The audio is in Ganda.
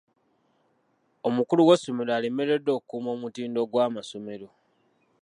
Omukulu w'essomero alemereddwa okukuuma omutindo gw'amasomero.